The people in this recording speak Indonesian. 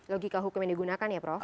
logika hukum yang digunakan ya prof